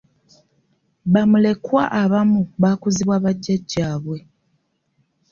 Bamulekwa abamu bakuzibwa bajjajja baabwe.